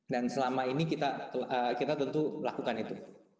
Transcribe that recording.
dan selama ini kita tentu lakukan itu